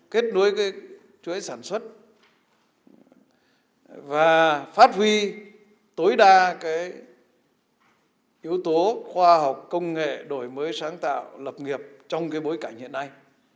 kết nối chuỗi sản xuất và phát huy tối đa yếu tố khoa học công nghệ đổi mới sáng tạo lập nghiệp trong bối cảnh hiện nay